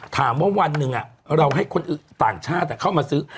วันหนึ่งเราให้คนต่างชาติเข้ามาซื้อ